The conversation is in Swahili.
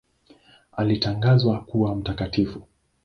Alitangazwa kuwa mtakatifu.